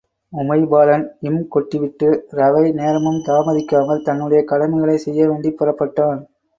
உமைபாலன் ம் கொட்டிவிட்டு, ரவை நேரமும் தாமதிக்காமல் தன்னுடைய கடமைகளைச் செய்யவேண்டிப் புறப்பட்டான்.